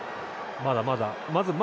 まだまだ。